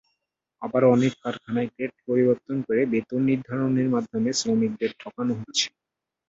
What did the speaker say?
আবার অনেক কারখানায় গ্রেড পরিবর্তন করে বেতন নির্ধারণের মাধ্যমে শ্রমিকদের ঠকানো হচ্ছে।